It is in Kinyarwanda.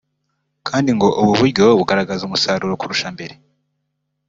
kandi ngo ubu buryo bugaragaza umusaruro kurusha mbere